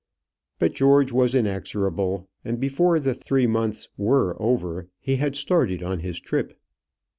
But George was inexorable, and before the three months were over he had started on his trip.